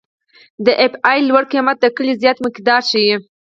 د پی ای لوړ قیمت د کلې زیات مقدار ښیي